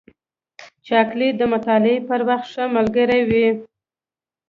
چاکلېټ د مطالعې پر وخت ښه ملګری وي.